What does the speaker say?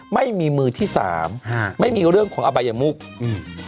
ไม่มีมือที่สามฮะไม่มีเรื่องของอบายมุกอืม